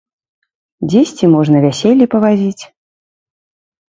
Дзесьці можна вяселлі павазіць.